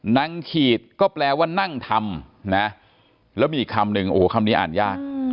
นั่งขีดก็แปลว่านั่งทำนะแล้วมีอีกคำหนึ่งโอ้โหคำนี้อ่านยาก